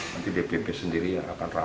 nanti dpp sendiri yang akan rapat